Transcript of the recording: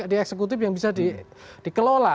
di eksekutif yang bisa dikelola